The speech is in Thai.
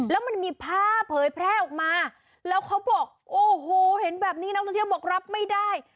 แล้วมันมีภาพเผยแพร่ออกมาแล้วเขาบอกโอ้โหเห็นแบบนี้นักท่องเที่ยวบอกรับไม่ได้